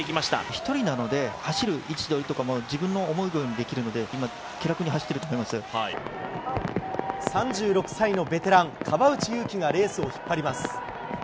１人なので、走る位置取りとかも、自分の思うとおりにできるので、今、３６歳のベテラン、川内優輝がレースを引っ張ります。